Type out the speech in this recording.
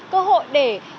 cơ hội để